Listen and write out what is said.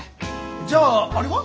じゃああれは？